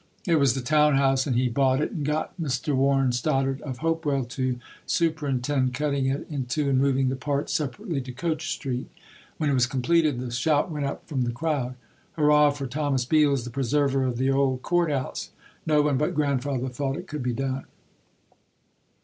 It was the town house and he bought it and got Mr. Warren Stoddard of Hopewell to superintend cutting it in two and moving the parts separately to Coach Street. When it was completed the shout went up from the crowd, "Hurrah for Thomas Beals, the preserver of the old Court House." No one but Grandfather thought it could be done.